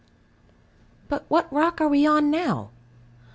But what rock are we on now?